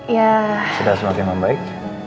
ya sudah semakin membaik